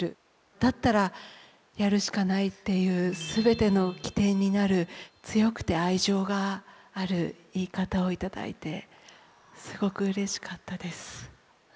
だったらやるしかないっていう全ての基点になる強くて愛情がある言い方を頂いてすごくうれしかったです。